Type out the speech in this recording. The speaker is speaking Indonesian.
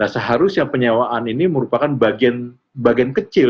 seharusnya penyewaan ini merupakan bagian kecil